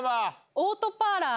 オートパーラー